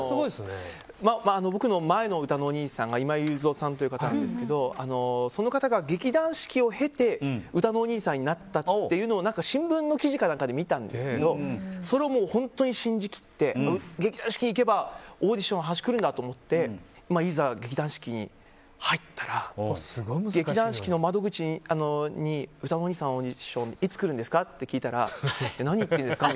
僕の前のうたのおにいさんが今井ゆうぞうさんという方なんですけどその方が、劇団四季を経てうたのおにいさんになったというのを新聞の記事かなんかで見たんですけどそれを本当に信じ切って劇団四季に入ればオーディションの話が来るんだと思って劇団四季に入ったら劇団四季の窓口でうたのおにいさんのオーディションいつ来るんですかって聞いたら何を言ってるんですか？